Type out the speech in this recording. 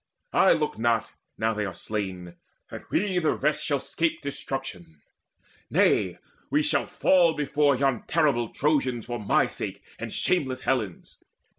I look not, now they are slain, that we the rest Shall 'scape destruction; nay, but we shall fall Before yon terrible Trojans for my sake And shameless Helen's!